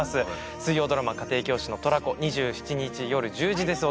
水曜ドラマ『家庭教師のトラコ』２７日夜１０時です